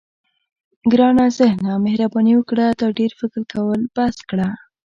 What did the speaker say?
ګرانه ذهنه مهرباني وکړه دا ډېر فکر کول بس کړه.